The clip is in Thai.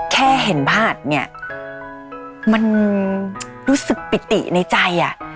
แค่เห็นภาพเนี่ยมันรู้สึกปิติในใจ